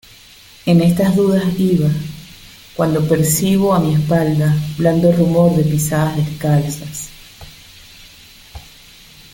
en estas dudas iba, cuando percibo a mi espalda blando rumor de pisadas descalzas.